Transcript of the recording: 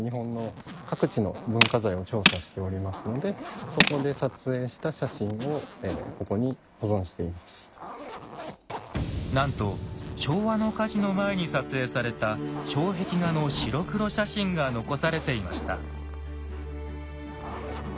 わたくしたちなんと昭和の火事の前に撮影された障壁画の白黒写真が残されていました。